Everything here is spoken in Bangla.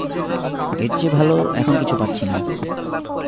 এর চেয়ে ভাল এখন কিছু পাচ্ছি না।